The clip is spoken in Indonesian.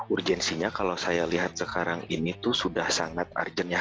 urgensinya kalau saya lihat sekarang ini tuh sudah sangat urgent ya